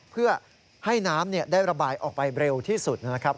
เพื่อให้น้ำได้ระบายออกไปเร็วที่สุดนะครับ